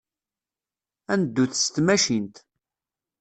Ad neddut s tmacint.